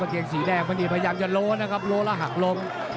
อันเกียงสีแดงมันนี่พยายามจะโลนะครับโลล่าหักลง